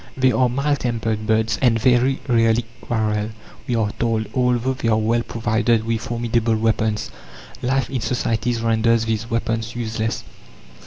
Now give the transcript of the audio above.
"They are mild tempered birds, and very rarely quarrel" we are told although they are well provided with formidable weapons. Life in societies renders these weapons useless.